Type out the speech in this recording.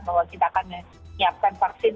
bahwa kita akan menyiapkan vaksin